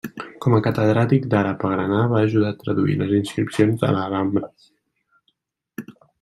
Com a catedràtic d'àrab a Granada, va ajudar a traduir les inscripcions de l'Alhambra.